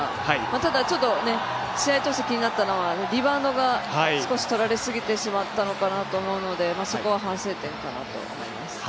ただ試合として気になったのはリバウンドが少し取られすぎてしまったのかなと思いますのでそこは反省点だと思います。